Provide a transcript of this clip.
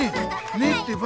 ねえってば！